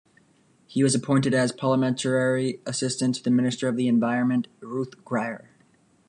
He was appointed as Parliamentary assistant to the Minister of the Environment, Ruth Grier.